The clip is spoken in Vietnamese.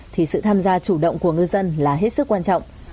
thì sự tham gia chủ động của ngư dân là hết sức quan trọng